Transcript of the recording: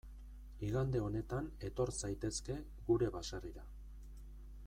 Igande honetan etor zaitezke gure baserrira.